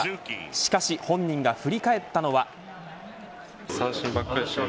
しかし本人が振り返ったのは。